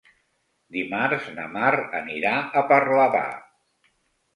Dimarts na Mar anirà a Parlavà.